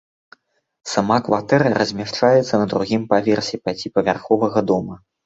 Сама кватэра размяшчаецца на другім паверсе пяціпавярховага дома.